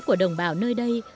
của đồng bào nơi đây